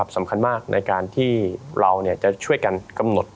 สำคัญมากในการที่เราจะช่วยกันกำหนด